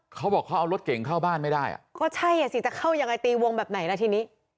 เขาบอกเขาเอารถเก่งเข้าบ้านไม่ได้อ่ะก็ใช่อ่ะสิจะเข้ายังไงตีวงแบบไหนล่ะทีนี้